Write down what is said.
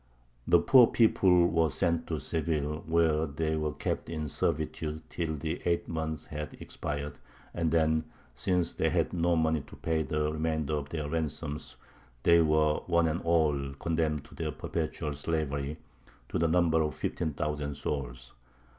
The poor people were sent to Seville, where they were kept in servitude till the eight months had expired, and then, since they had no money to pay the remainder of their ransoms, they were one and all condemned to perpetual slavery, to the number of fifteen thousand souls.